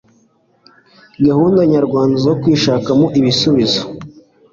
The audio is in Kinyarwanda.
gahunda nyarwanda zo kwishakamo ibisubizo